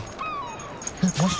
えっマジ？